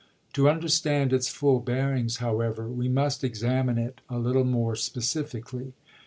To understand its full bearings, however, we must examine it a little more specifically.